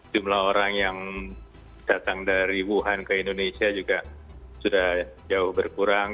jumlah orang yang datang dari wuhan ke indonesia juga sudah jauh berkurang